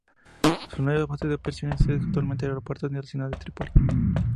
Su nueva base de operaciones es actualmente el aeropuerto internacional de Trípoli.